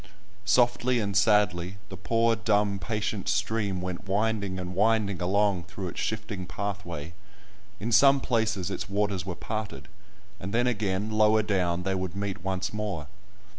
Softly and sadly the poor, dumb, patient stream went winding and winding along through its shifting pathway; in some places its waters were parted, and then again, lower down, they would meet once more.